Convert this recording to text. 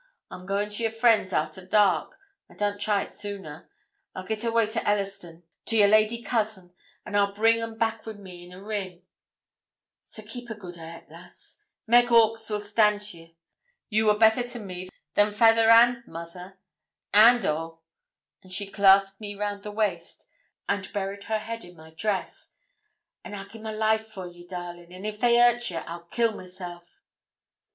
I'm goin' to your friends arter dark; I darn't try it no sooner. I'll git awa to Ellerston, to your lady cousin, and I'll bring 'em back wi' me in a rin; so keep a good hairt, lass. Meg Hawkes will stan' to ye. Ye were better to me than fayther and mother, and a';' and she clasped me round the waist, and buried her head in my dress; 'an I'll gie my life for ye, darling, and if they hurt ye I'll kill myself.'